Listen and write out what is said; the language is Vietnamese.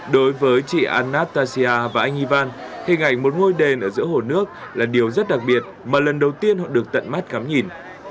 đối với chị anastacia và anh ivan hình ảnh một ngôi đền ở giữa hồ nước là điều rất đặc biệt mà lần đầu tiên họ được tận mắt khám nhìn